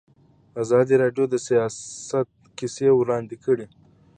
ازادي راډیو د سیاست کیسې وړاندې کړي.